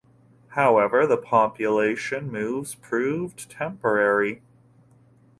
However the population moves proved temporary.